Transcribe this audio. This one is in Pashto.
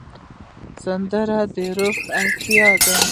سندره د روح اړتیا ده